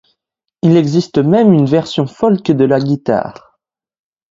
Il existe même une version folk à la guitare.